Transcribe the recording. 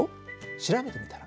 調べてみたら？